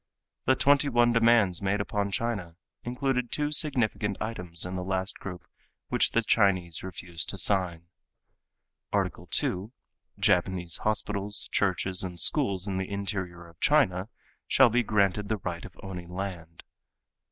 The twenty one demands made upon China included two significant items in the last group which the Chinese refused to sign: "Art. 2: Japanese hospitals, churches and schools in the interior of China shall be granted the right of owning land."